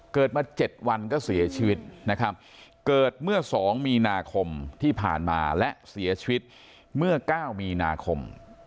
เกิดมา๗วันก็เสียชีวิตนะครับเกิดเมื่อ๒มีนาคมที่ผ่านมาและเสียชีวิตเมื่อ๙มีนาคม